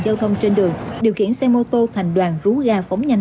giao thông trên đường điều khiển xe mô tô thành đoàn rú ga phóng nhanh